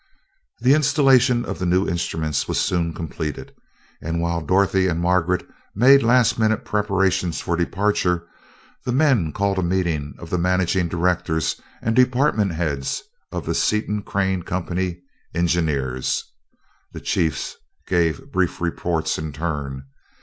The installation of the new instruments was soon completed, and while Dorothy and Margaret made last minute preparations for departure, the men called a meeting of the managing directors and department heads of the "Seaton Crane Co., Engineers." The chiefs gave brief reports in turn.